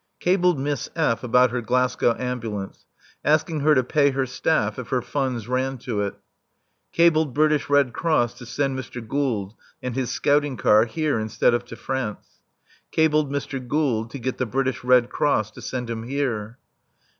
Cabled Miss F. about her Glasgow ambulance, asking her to pay her staff if her funds ran to it. Cabled British Red Cross to send Mr. Gould and his scouting car here instead of to France. Cabled Mr. Gould to get the British Red Cross to send him here.